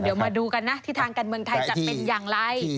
เดี๋ยวมาดูกันนะที่ทางการเมืองไทยจะเป็นอย่างไร